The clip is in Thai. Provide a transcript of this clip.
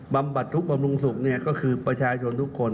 บำบัดทุกข์บำรุงสุขก็คือประชาชนทุกคน